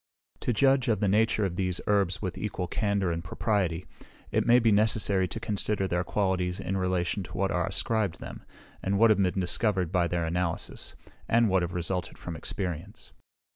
To judge of the nature of these herbs with equal candour and propriety, it may be necessary to consider their qualities in relation to what are ascribed them, and what have been discovered by their analysis, and what have resulted from experience.